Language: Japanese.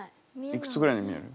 いくつぐらいに見える？